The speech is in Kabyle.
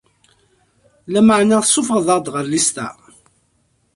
Lameɛna, tessufɣeḍ-aɣ-d ɣer listeɛ.